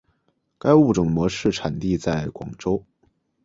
该物种的模式产地在广州。